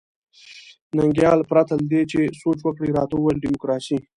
ننګیال پرته له دې چې سوچ وکړي راته وویل ډیموکراسي.